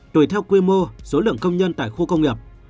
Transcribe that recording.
tùy theo quy mô số lượng công nhân tại khu công nghiệp